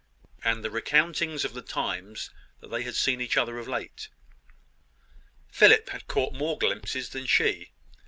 and the recountings of the times that they had seen each other of late. Philip had caught more glimpses than she.